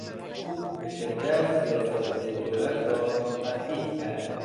او به شدت سیاستهای دولت را تقبیح کرد.